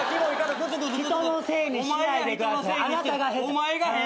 お前が変。